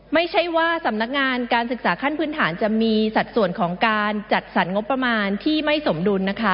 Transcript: ไม่ใช่ว่าสำนักงานการศึกษาขั้นพื้นฐานจะมีสัดส่วนของการจัดสรรงบประมาณที่ไม่สมดุลนะคะ